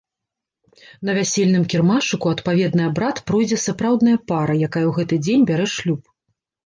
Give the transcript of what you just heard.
На вясельным кірмашыку адпаведны абрад пройдзе сапраўдная пара, якая ў гэты дзень бярэ шлюб.